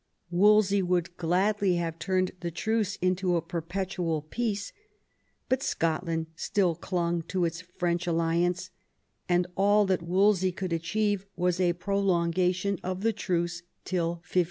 Wolsey would gladly have turned the truce into a per petual peace; but Scotland still clung to its French alliance, and all that Wolsey could achieve was a pro longation of the truce till 1522.